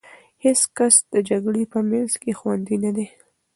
هېڅ کس د جګړې په منځ کې خوندي نه دی.